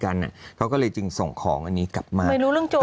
กันอ่ะเขาก็เลยจึงส่งของอันนี้กลับมาไม่รู้เรื่องโจร